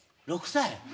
６歳！